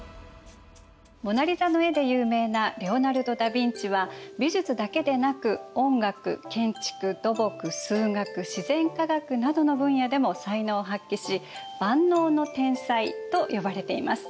モナリザの絵で有名なレオナルド・ダ・ヴィンチは美術だけでなく音楽建築土木数学自然科学などの分野でも才能を発揮し万能と天才と呼ばれています。